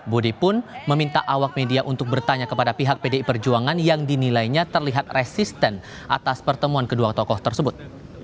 bodi pun meminta awak media untuk bertanya kepada pihak pdi perjuangan yang dinilainya terlihat resisten atas pertemuan kedua tokoh tersebut